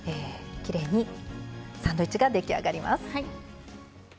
きれいにサンドイッチが出来上がります。